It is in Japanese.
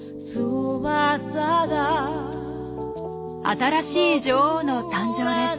新しい女王の誕生です。